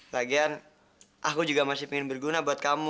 lagian aku juga masih ingin berguna buat kamu